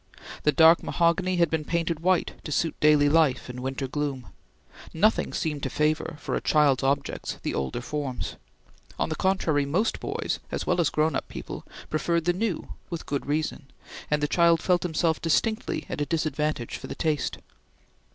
The dark mahogany had been painted white to suit daily life in winter gloom. Nothing seemed to favor, for a child's objects, the older forms. On the contrary, most boys, as well as grown up people, preferred the new, with good reason, and the child felt himself distinctly at a disadvantage for the taste.